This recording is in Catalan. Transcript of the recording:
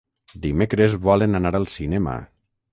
Dimecres volen anar al cinema.